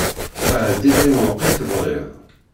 Ɛeddi-d ayweq i tebɣiḍ.